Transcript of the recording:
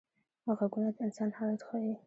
غږونه د انسان حالت ښيي